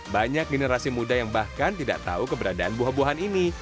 banyak generasi muda yang bahkan tidak tahu keberadaan buah buahan ini